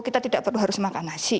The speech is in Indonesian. kita tidak perlu harus makan nasi